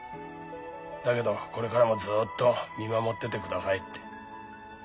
だけどこれからもずっと見守っててくださいって。